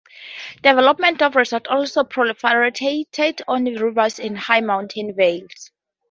Development of resorts also proliferated on rivers and high mountain valleys.